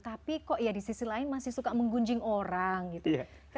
tapi disisi lain masih suka menggunjing orang gitu